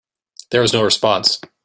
There was no response.